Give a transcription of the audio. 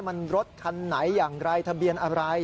มันรถคันไหนอย่างไรทะเบียนอะไร